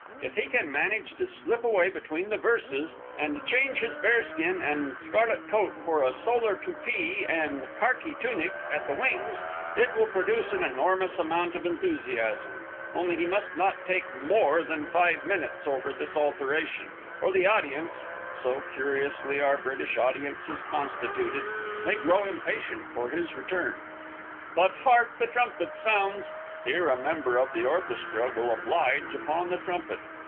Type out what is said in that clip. If he can manage to slip away between the verses, and change his bearskin and scarlet coat for a solar topee and kharkee tunic at the wings, it will produce an enormous amount of enthusiasm, only he must not take_ more _than five minutes over this alteration, or the audience so curiously are British audiences constituted may grow impatient for his return._ But hark! the trumpet sounds!... (_Here a member of the orchestra will oblige upon the trumpet.